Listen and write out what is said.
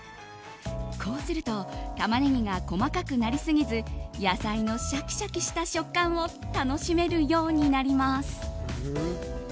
こうするとタマネギが細かくなりすぎず野菜のシャキシャキとした食感を楽しめるようになります。